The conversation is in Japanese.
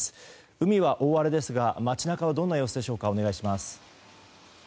海は大荒れですが街中はどんな様子でしょうか？